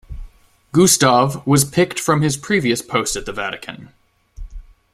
Gustav was picked from his previous post at the Vatican.